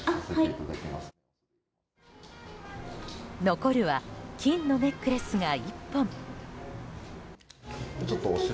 残るは金のネックレスが１本。